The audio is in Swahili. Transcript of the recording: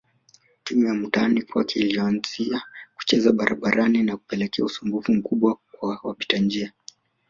Timu ya mtaani kwake iliyoanzia kucheza barabarani na kupelekea usumbufu mkubwa kwa wapita njia